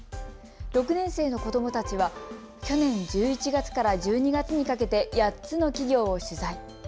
６年生の子どもたちは去年１１月から１２月にかけて８つの企業を取材。